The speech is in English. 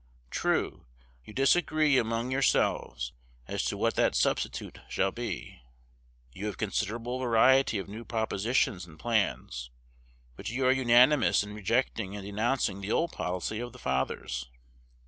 True, you disagree among yourselves as to what that substitute shall be. You have considerable variety of new propositions and plans; but you are unanimous in rejecting and denouncing the old policy of the fathers.